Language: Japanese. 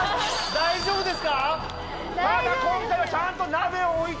大丈夫です。